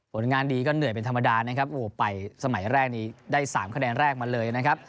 ผลงานดีก็เหนื่อยเป็นธรรมดานะครับโอ้โหไปสมัยแรกนี้ได้๓คะแนนแรกมาเลยนะครับ